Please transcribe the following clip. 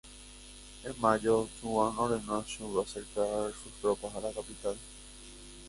En mayo Duan ordenó a Xu acercar sus tropas a la capital.